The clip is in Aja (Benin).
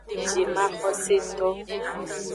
Jimaxoseto.